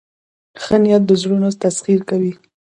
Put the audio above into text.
ښه نیت د زړونو تسخیر کوي.